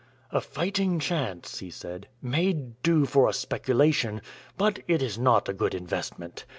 "A fighting chance," he said, "may do for a speculation, but it is not a good investment.